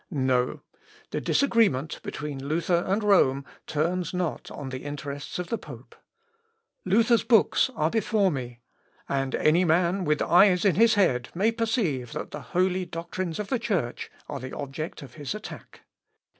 "No! the disagreement between Luther and Rome turns not on the interests of the pope. Luther's books are before me, and any man with eyes in his head may perceive that the holy doctrines of the Church are the object of his attack.